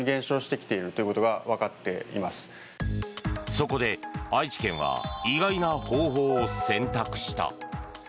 そこで、愛知県は意外な方法を選択した。